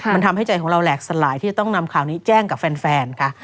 มันทำให้ใจของเราแหลกสลายที่จะต้องนำข่าวนี้แจ้งกับแฟนค่ะ